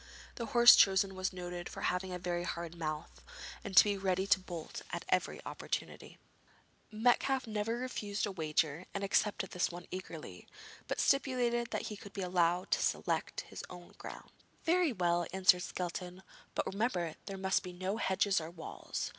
The horse chosen was noted for having a very hard mouth, and to be ready to bolt at every opportunity. Metcalfe never refused a wager and accepted this one eagerly, but stipulated that he should be allowed to select his own ground. 'Very well,' answered Skelton; 'but remember there must be no hedges or walls.